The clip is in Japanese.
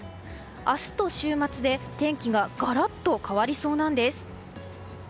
明日と週末で天気がガラッと変わりそうなんです。